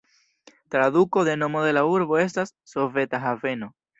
Traduko de nomo de la urbo estas "soveta haveno".